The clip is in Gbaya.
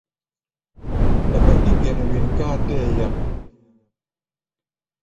Mɛ ɓándí gɛn wen ká a tɛɛ́ yak.